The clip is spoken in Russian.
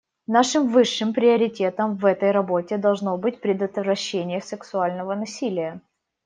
Нашим высшим приоритетом в этой работе должно быть предотвращение сексуального насилия.